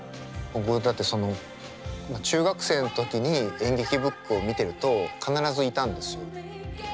僕だってその中学生の時に「演劇ぶっく」を見てると必ずいたんですよ。